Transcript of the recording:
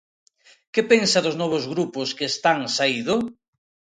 Que pensa dos novos grupos que están saído?